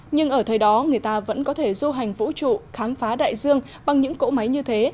nhưng ở thời đó người ta vẫn có thể du hành vũ trụ khám phá đại dương bằng những cỗ máy như thế